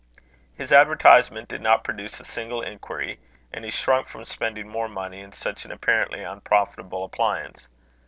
His advertisement did not produce a single inquiry, and he shrunk from spending more money in such an apparently unprofitable appliance.